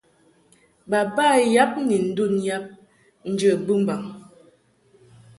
Baba yab ni ndun yab njə bɨmbaŋ.